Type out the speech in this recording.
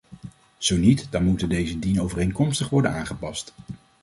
Zo niet, dan moet deze dienovereenkomstig worden aangepast.